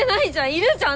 いるじゃん